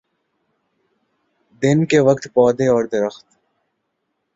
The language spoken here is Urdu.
دن کے وقت پودے اور درخت